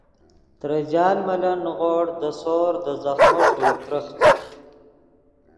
ترے جال ملن نیغوڑ دے سور دے ځخمو ݰوئے ترخچ